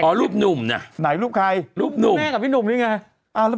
เป็นการกระตุ้นการไหลเวียนของเลือด